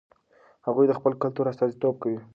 هغوی د خپل کلتور استازیتوب کوي.